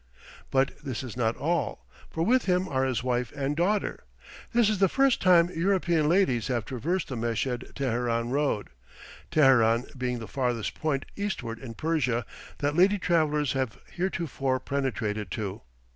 But this is not all, for with him are his wife and daughter. This is the first time European ladies have traversed the Meshed Teheran road, Teheran being the farthest point eastward in Persia that lady travellers have heretofore penetrated to.